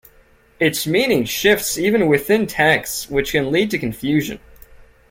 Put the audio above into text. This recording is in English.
Its meaning shifts even within texts, which can lead to confusion.